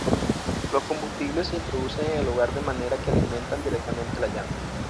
Los combustibles se introducen en el hogar de manera que alimenten directamente la llama.